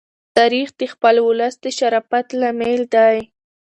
تاریخ د خپل ولس د شرافت لامل دی.